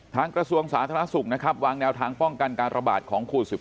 กระทรวงสาธารณสุขนะครับวางแนวทางป้องกันการระบาดของโควิด๑๙